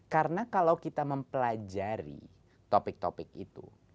karena kalau kita mempelajari topik topik itu